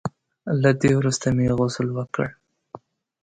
له دې وروسته مې غسل وکړ.